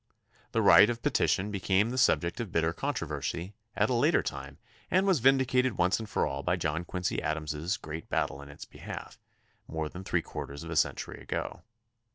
The right of petition be came the subject of bitter controversy at a later time and was vindicated once for all by John Quincy Adams's great battle in its behalf, more than three quarters of a century ago.